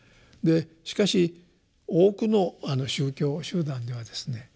しかし多くの宗教集団ではですね